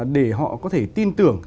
để họ có thể tin tưởng